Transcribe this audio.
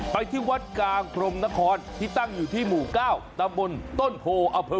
ไปที่วัดกาพรมนครที่ตั้งอยู่ที่หมู่เก้าทำบนต้นโหอาภิกา